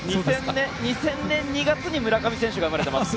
２０００年２月に村上選手が生まれています。